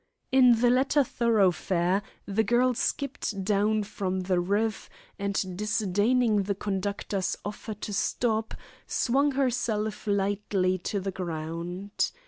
In the latter thoroughfare the girl skipped down from the roof, and disdaining the conductor's offer to stop, swung herself lightly to the ground.